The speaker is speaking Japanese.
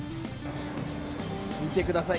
見てください。